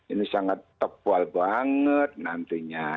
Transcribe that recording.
ini sangat tebal banget nantinya